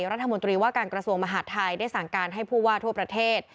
รัฐมนตรีว่าการกระทรวงมหาดไทยได้สั่งการให้ผู้ว่าทั่วประเทศ